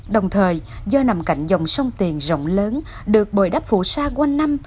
đồng thời do nằm cạnh dòng sông tiền rộng lớn được bồi đắp phụ sa quanh năm